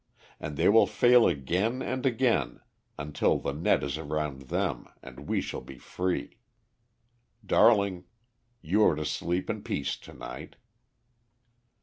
And they will fail again and again until the net is around them and we shall be free. Darling, you are to sleep in peace to night."